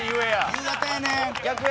夕方やねん。